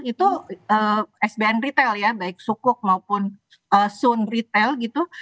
itu sbn retail ya baik sukuk maupun sound retail gitu